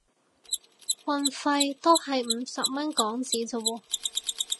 運費都係五十蚊港紙咋喎